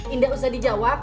indah usah dijawab